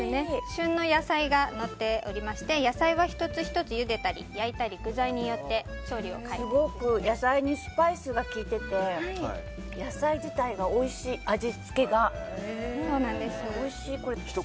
旬の野菜がのっていまして野菜は１つ１つゆでたり焼いたりすごく野菜にスパイスが効いていて、野菜自体がおいしい、味付けが。